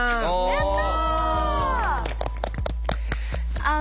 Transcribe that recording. やった！